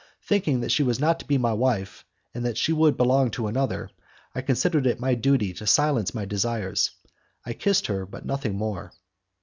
Thinking that she was not to be my wife, and that she would belong to another, I considered it my duty to silence my desires. I kissed her, but nothing more.